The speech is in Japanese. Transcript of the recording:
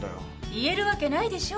言えるわけないでしょう？